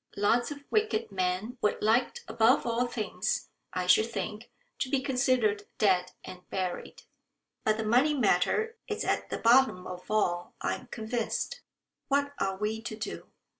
Lots of wicked men would like above all things, I should think, to be considered dead and buried. But the money matter is at the bottom of all, I am convinced. What are we to do?"